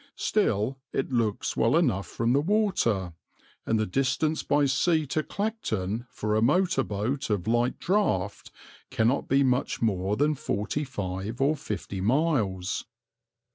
Still it looks well enough from the water, and the distance by sea to Clacton, for a motor boat of light draught, cannot be much more than forty five or fifty miles.